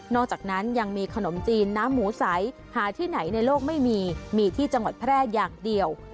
อกจากนั้นยังมีขนมจีนน้ำหมูใสหาที่ไหนในโลกไม่มีมีที่จังหวัดแพร่อย่างเดียว